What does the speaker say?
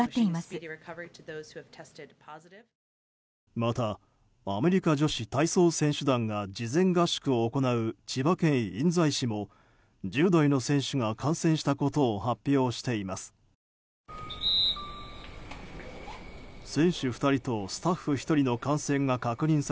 またアメリカ女子体操選手団が事前合宿を行う千葉県印西市も１０代の選手が感染したことを発表しています。